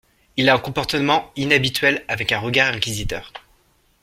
Il a un comportement inhabituel avec un regard inquisiteur.